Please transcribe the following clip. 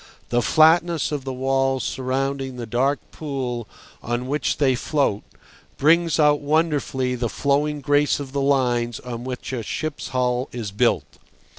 The flatness of the walls surrounding the dark pool on which they float brings out wonderfully the flowing grace of the lines on which a ship's hull is built.